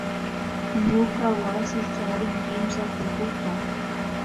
Ñuka wasi charin kimsa tukuta